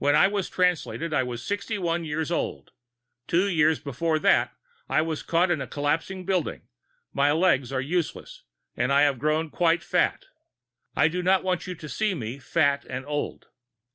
_ _When I was Translated, I was sixty one years old. Two years before that, I was caught in a collapsing building; my legs are useless, and I had grown quite fat. I do not want you to see me fat and old.